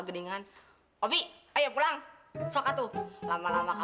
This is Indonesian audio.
kenapa aku pergi pakai tempat club lagi rupanya